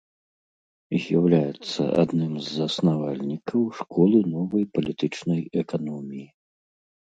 З'яўляецца адным з заснавальнікаў школы новай палітычнай эканоміі.